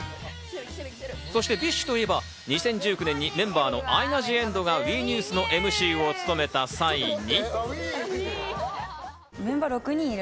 そしてＢｉＳＨといえば２０１９年にメンバーのアイナ・ジ・エンドがＷＥニュースのＭＣを務めた際に。